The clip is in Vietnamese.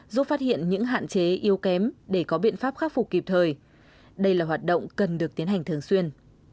giúp phát hiện những hạn chế yếu kém để có biện pháp khắc phục kịp thời đây là hoạt động cần được tiến hành thường xuyên